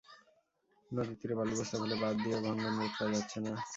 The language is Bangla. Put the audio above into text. নদীর তীরে বালুর বস্তা ফেলে বাঁধ দিয়েও ভাঙন রোধ করা যাচ্ছে না।